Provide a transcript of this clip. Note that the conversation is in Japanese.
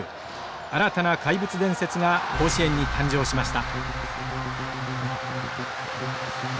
新たな怪物伝説が甲子園に誕生しました。